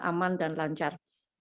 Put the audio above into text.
aman dan lancar